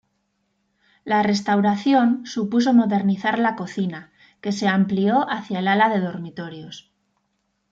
La restauración supuso modernizar la cocina, que se amplió hacia el ala de dormitorios.